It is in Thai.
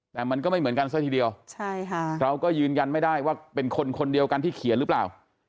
แต่มันก็ไม่เหมือนกันซะทีเดียวใช่ค่ะเราก็ยืนยันไม่ได้ว่าเป็นคนคนเดียวกันที่เขียนหรือเปล่า